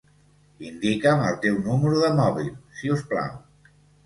Indica'm el teu número de mòbil, si us plau.